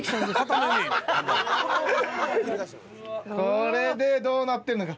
これでどうなってるのか。